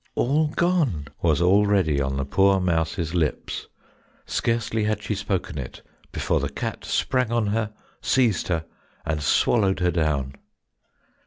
"All gone" was already on the poor mouse's lips; scarcely had she spoken it before the cat sprang on her, seized her, and swallowed her down.